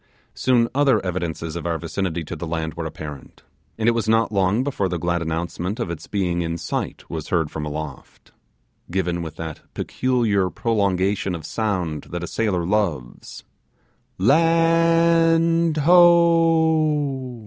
Soon, other evidences of our vicinity to the land were apparent, and it was not long before the glad announcement of its being in sight was heard from aloft, given with that peculiar prolongation of sound that a sailor loves 'Land ho!